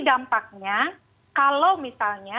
dampaknya kalau misalnya